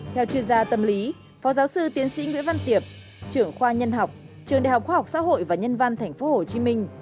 theo chuyên gia tâm lý phó giáo sư tiến sĩ nguyễn văn tiệp trưởng khoa nhân học trường đại học khoa học xã hội và nhân văn tp hcm